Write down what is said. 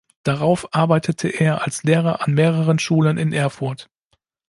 Darauf arbeitete er als Lehrer an mehreren Schulen in Erfurt.